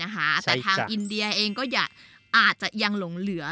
แต่ทางอินเดียเองก็อาจจะยังหลงเหลือ